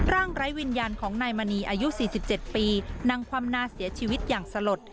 ร่างไร้วิญญาณของนายมณีอายุสี่สิบเจ็ดปีนั่งความน่าเสียชีวิตอย่างสลด